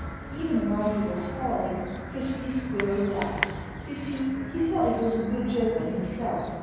Even while he was falling, Frisky Squirrel laughed. You see, he thought it was a good joke on himself.